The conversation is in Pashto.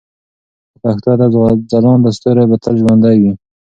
د پښتو ادب ځلانده ستوري به تل ژوندي وي.